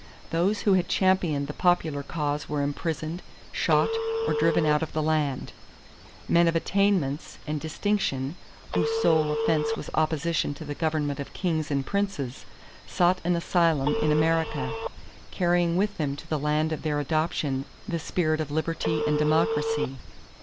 Those who had championed the popular cause were imprisoned, shot, or driven out of the land. Men of attainments and distinction, whose sole offense was opposition to the government of kings and princes, sought an asylum in America, carrying with them to the land of their adoption the spirit of liberty and democracy.